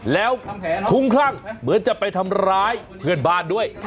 แล้วคุ้มคลั่งเหมือนจะไปทำร้ายเพื่อนบ้านด้วย